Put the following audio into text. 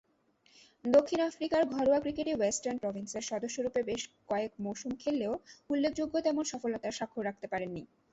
দক্ষিণ আফ্রিকার ঘরোয়া ক্রিকেটে ওয়েস্টার্ন প্রভিন্সের সদস্যরূপে বেশ কয়েক মৌসুম খেললেও উল্লেখযোগ্য তেমন সফলতার স্বাক্ষর রাখতে পারেননি।